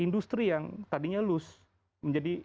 industri yang tadinya loose menjadi